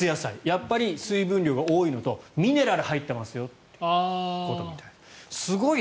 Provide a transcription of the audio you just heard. やっぱり水分量が多いのとミネラルが入っていますよということみたい。